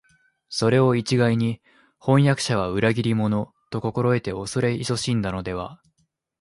それを一概に「飜訳者は裏切り者」と心得て畏れ謹しんだのでは、